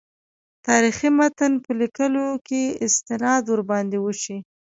تاریخي متن په لیکلو کې استناد ورباندې وشي.